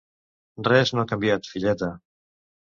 Res no ha canviat, filleta!